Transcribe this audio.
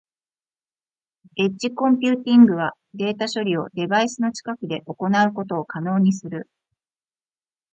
エッジコンピューティングはデータ処理をデバイスの近くで行うことを可能にする。